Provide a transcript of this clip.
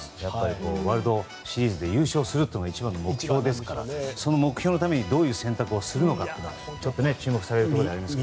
ワールドシリーズで優勝するというのが一番の目標ですからその目標のためにどういう選択をするか注目されます。